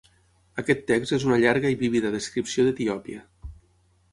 Aquest text és una llarga i vívida descripció d'Etiòpia.